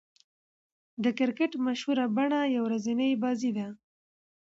د کرکټ مشهوره بڼه يوه ورځنۍ بازي ده.